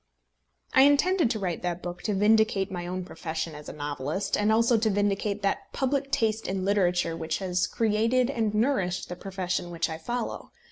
I intended to write that book to vindicate my own profession as a novelist, and also to vindicate that public taste in literature which has created and nourished the profession which I follow.